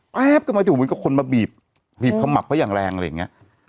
แป๊บกระมาทิวดิก็คนมาบีบบีบเขาหมับเขาอย่างแรงอะไรอย่างเงี้ย